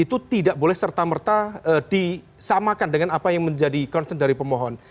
itu tidak boleh serta merta disamakan dengan apa yang menjadi concern dari pemohon